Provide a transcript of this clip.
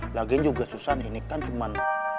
lagian juga susan ini kan cuman